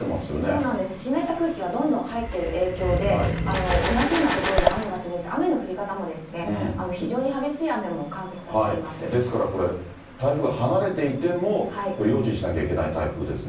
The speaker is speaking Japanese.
そうなんです、湿った空気がどんどん入っている影響で、同じような所で雨が続いて、雨の降り方も非常に激しい雨も観測されてですからこれ、台風が離れていても、用心しなきゃいけない台風ですね。